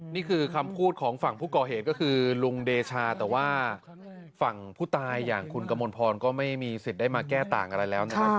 นี่คือคำพูดของฝั่งผู้ก่อเหตุก็คือลุงเดชาแต่ว่าฝั่งผู้ตายอย่างคุณกมลพรก็ไม่มีสิทธิ์ได้มาแก้ต่างอะไรแล้วนะครับ